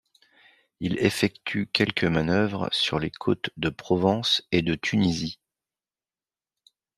Il effectue quelques manœuvres sur les côtes de Provence et de Tunisie.